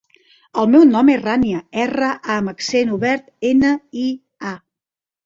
El meu nom és Rània: erra, a amb accent obert, ena, i, a.